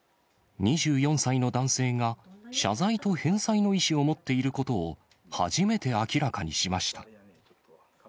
２４歳の男性が、謝罪と返済の意思を持っていることを初めて明らかにしました。